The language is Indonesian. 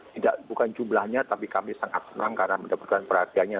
tidak bukan jumlahnya tapi kami sangat senang karena mendapatkan perhatiannya